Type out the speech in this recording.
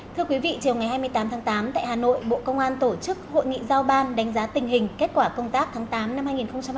thưa quý vị chiều ngày hai mươi tám tháng tám tại hà nội bộ công an tổ chức hội nghị giao ban đánh giá tình hình kết quả công tác tháng tám năm hai nghìn hai mươi ba